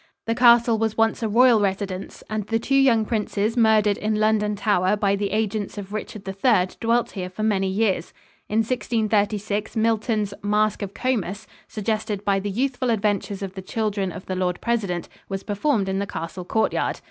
The castle was once a royal residence and the two young princes murdered in London Tower by the agents of Richard III dwelt here for many years. In 1636 Milton's "Mask of Comus," suggested by the youthful adventures of the children of the Lord President, was performed in the castle courtyard.